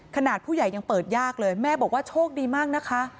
ขนาดผู้ใหญ่ยังเปิดยากเลยแม่บอกว่าโชคดีมากนะคะ